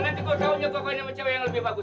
nanti gue tau nyokap kawin sama cewek yang lebih bagus